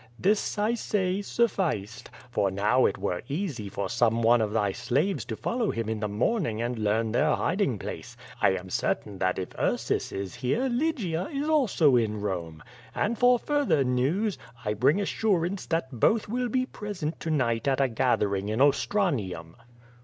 This, I say, sufficed. For now it were easy for some one of thy slaves to follow him in the morning and learn their hiding place. I am certain that if Ursus is here, Lygia is also in Bome. And for further news, I bring assurance that both will be present to night at a gathering in Ostra nium.''